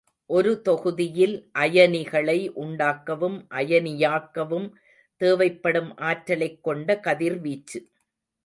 ஒரு தொகுதியில் அயனிகளை உண்டாக்கவும் அயனியாக்கவும் தேவைப்படும் ஆற்றலைக் கொண்ட கதிர்வீச்சு.